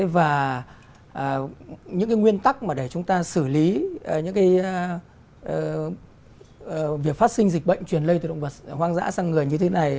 và những nguyên tắc để chúng ta xử lý việc phát sinh dịch bệnh truyền lây từ động vật hoang dã sang người như thế này